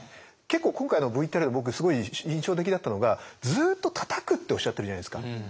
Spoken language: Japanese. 結構今回のＶＴＲで僕すごい印象的だったのがずっとたたくっておっしゃってるじゃないですか。